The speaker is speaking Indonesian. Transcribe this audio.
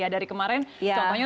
dari kemarin contohnya